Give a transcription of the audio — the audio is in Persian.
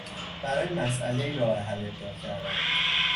برای مسئلهای راه حل ابداع کردن